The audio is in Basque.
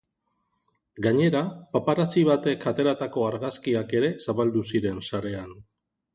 Gainera, paparazzi batek ateratako argazkiak ere zabaldu ziren sarean.